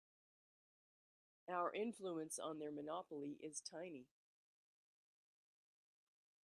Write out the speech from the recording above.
Our influence on their monopoly is tiny.